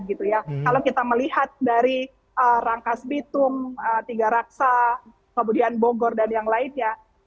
kalau kita melihat dari rangkas bitung tiga raksa kemudian bogor dan yang lainnya